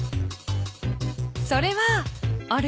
それはあれ？